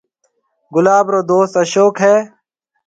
گلاب رو دوست اشوڪ ھيََََ